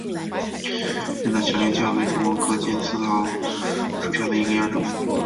云南小连翘为藤黄科金丝桃属下的一个亚种。